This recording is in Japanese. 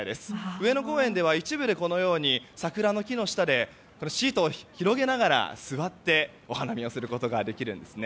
上野公園では一部で桜の木の下でシートを広げながら座ってお花見をすることができるんですね。